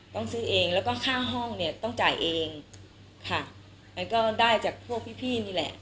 ต้องซื้อเองแล้วก็ค่าห้องเนี่ยต้องจ่ายเองค่ะอันก็ได้จากพวกพี่พี่นี่แหละ